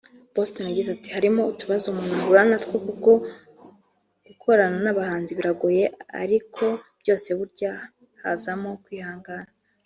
Boston yagize ati “Harimo utubazo umuntu ahura natwo kuko gukorana n’abahanzi biragoye ariko byose burya hazamo kwihangana